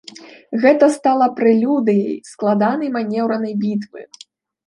Гэта стала прэлюдыяй складанай манеўранай бітвы.